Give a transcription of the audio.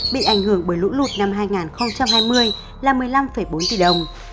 bị ảnh hưởng bởi lũ lụt năm hai nghìn hai mươi là một mươi năm bốn tỷ đồng